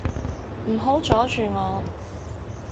唔好阻住我